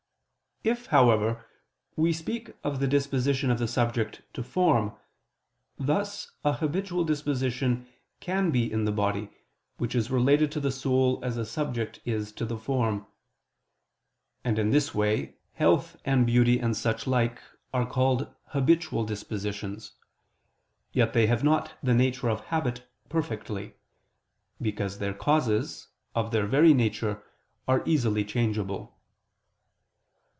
If, however, we speak of the disposition of the subject to form, thus a habitual disposition can be in the body, which is related to the soul as a subject is to its form. And in this way health and beauty and such like are called habitual dispositions. Yet they have not the nature of habit perfectly: because their causes, of their very nature, are easily changeable.